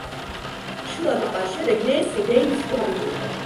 შვილად აყვანის შემდეგ ნენსიმ დეივისის გვარი მიიღო.